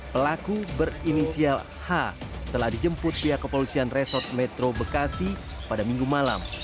pelaku berinisial h telah dijemput pihak kepolisian resort metro bekasi pada minggu malam